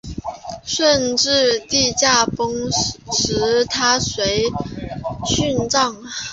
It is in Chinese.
顺治帝驾崩时她随之殉葬。